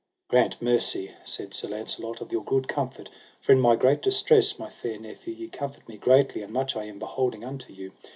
Grant mercy, said Sir Launcelot, of your good comfort, for in my great distress, my fair nephew, ye comfort me greatly, and much I am beholding unto you.